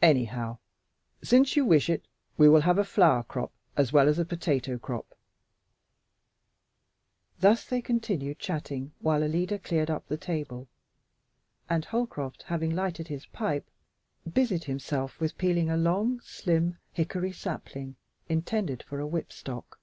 Anyhow, since you wish it, we will have a flower crop as well as a potato crop." Thus they continued chatting while Alida cleared up the table, and Holcroft, having lighted his pipe, busied himself with peeling a long, slim hickory sapling intended for a whipstock.